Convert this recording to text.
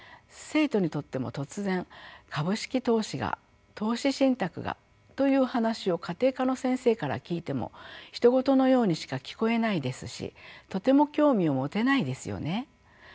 生徒にとっても突然株式投資が投資信託がという話を家庭科の先生から聞いてもひと事のようにしか聞こえないですしとても興味を持てないですよね。